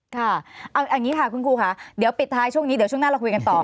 ค่ะเอาอย่างนี้ค่ะคุณครูค่ะเดี๋ยวปิดท้ายช่วงนี้เดี๋ยวช่วงหน้าเราคุยกันต่อ